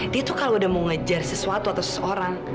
dia tuh kalau udah mau ngejar sesuatu atau seseorang